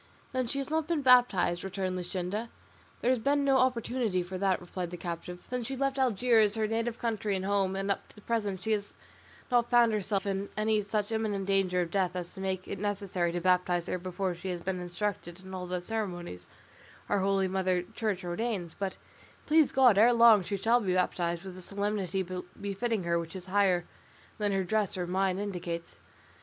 "Then she has not been baptised?" returned Luscinda. "There has been no opportunity for that," replied the captive, "since she left Algiers, her native country and home; and up to the present she has not found herself in any such imminent danger of death as to make it necessary to baptise her before she has been instructed in all the ceremonies our holy mother Church ordains; but, please God, ere long she shall be baptised with the solemnity befitting her which is higher than her dress or mine indicates."